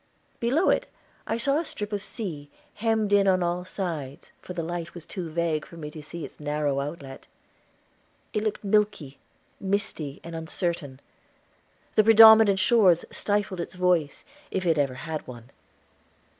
Below it I saw a strip of the sea, hemmed in on all sides, for the light was too vague for me to see its narrow outlet. It looked milky, misty, and uncertain; the predominant shores stifled its voice, if it ever had one.